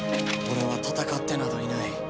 俺は戦ってなどいない。